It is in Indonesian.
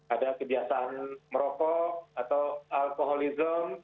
ada kebiasaan merokok atau alkoholism